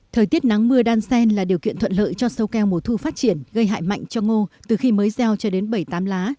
thời tiết nắng mưa đan sen là điều kiện thuận lợi cho sâu keo mùa thu phát triển gây hại mạnh cho ngô từ khi mới gieo cho đến bảy tám lá